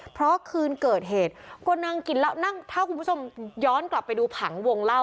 เพราะขืนเกิดเหตุคนอันนั้งกินเหล้าถ้าคุณผู้ชมย้อนกลับไปดูผางวงเหล้าค่ะ